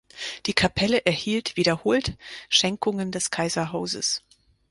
Die Kapelle erhielt wiederholt Schenkungen des Kaiserhauses.